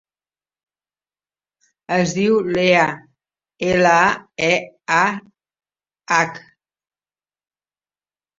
Es diu Leah: ela, e, a, hac.